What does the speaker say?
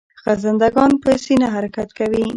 خزنده ګان په سینه حرکت کوي